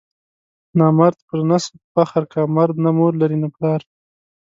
نامرد پر نسب فخر کا، مرد نه مور لري نه پلار.